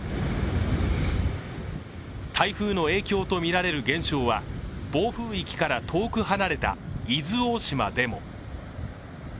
台風の影響とみられる現象は暴風域から遠く離れた伊豆大島でも。